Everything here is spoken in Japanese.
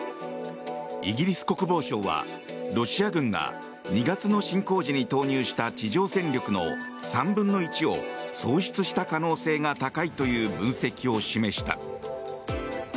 イギリス国防省はロシア軍が２月の侵攻時に投入した地上戦力の３分の１を喪失した可能性が高いという分析を示した。